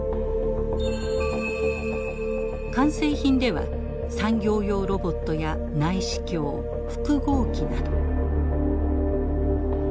完成品では産業用ロボットや内視鏡複合機など。